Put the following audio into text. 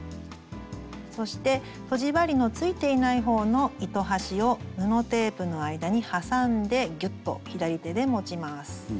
そしてとじ針のついていない方の糸端を布テープの間に挟んでギュッと左手で持ちます。